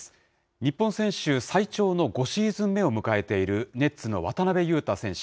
日本選手最長の５シーズン目を迎えているネッツの渡邊雄太選手。